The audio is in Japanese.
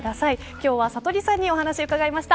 今日はさとりさんにお話を伺いました。